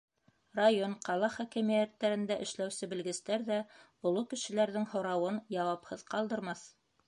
Район, ҡала хакимиәттәрендә эшләүсе белгестәр ҙә оло кешеләрҙең һорауын яуапһыҙ ҡалдырмаҫ.